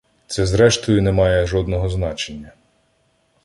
Це, зрештою, не має жодного значення.